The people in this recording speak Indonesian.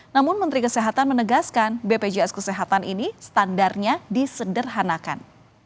namun menteri kesehatan menegaskan bpjs kesehatan ini standarnya disederhanakan